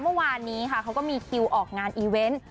เมื่อวานนี้ค่ะเขาก็มีคิวออกงานอีเวนต์